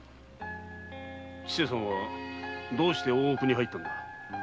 千勢さんはどうして大奥に入ったのだ？